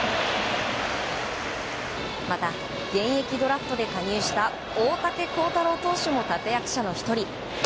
また、現役ドラフトで加入した大竹耕太郎投手も立役者の１人。